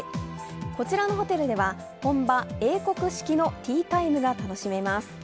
こちらのホテルでは、本場英国式のティータイムが楽しめます。